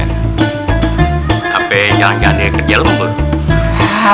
sampai jangan jangan dia kerja lho mak